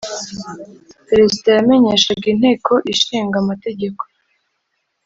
Perezida yamenyeshaga Inteko Ishinga amategeko